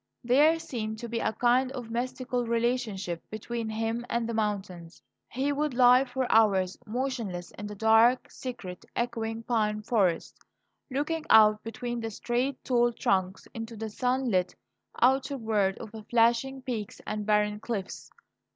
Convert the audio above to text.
There seemed to be a kind of mystical relationship between him and the mountains. He would lie for hours motionless in the dark, secret, echoing pine forests, looking out between the straight, tall trunks into the sunlit outer world of flashing peaks and barren cliffs.